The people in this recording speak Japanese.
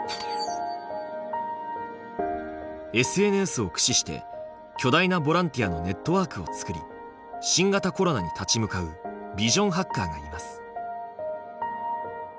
ＳＮＳを駆使して巨大なボランティアのネットワークを作り新型コロナに立ち向かうビジョンハッカーがいます。